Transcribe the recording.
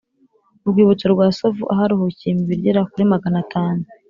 urwibutso rwa Sovu aharuhukiye imibiri igera kurimagana tanu